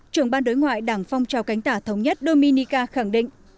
trưởng ban đối ngoại đảng phong trào cánh tả thống nhất dominica khẳng định